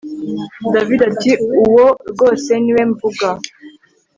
david ati uwo rwoseniwe mvuga